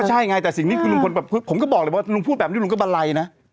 ใช่ไงแต่สิ่งนี้คือลุงพลแบบผมก็บอกเลยว่าลุงพูดแบบนี้ลุงก็บันไลนะ